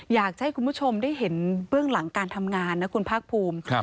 อยากจะให้คุณผู้ชมได้เห็นเบื้องหลังการทำงานนะคุณภาคภูมิ